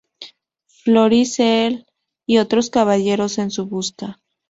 Florisel y otros caballeros en su busca.